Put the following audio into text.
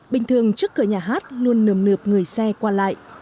bình thường trước cửa nhà hát luôn nườm nượp người xe qua lại